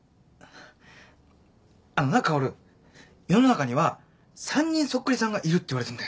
あのな薫世の中には３人そっくりさんがいるっていわれてんだよ。